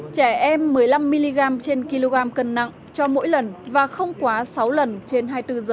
trẻ em một mươi năm mg trên kg cân nặng cho mỗi lần và không quá sáu lần trên hai mươi bốn giờ